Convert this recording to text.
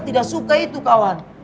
tidak suka itu kawan